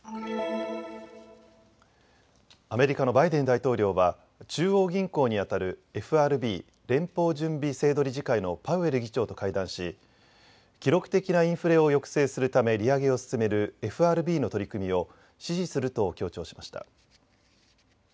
アメリカのバイデン大統領は中央銀行にあたるＦＲＢ・連邦準備制度理事会のパウエル議長と会談し記録的なインフレを抑制するため利上げを進めるＦＲＢの取り組みを支持すると強調しました。